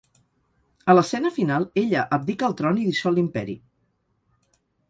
A l'escena final ella abdica el tron i dissol l'imperi.